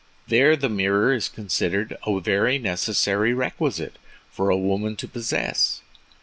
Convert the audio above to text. There the mirror is considered a very necessary requisite for a woman to possess.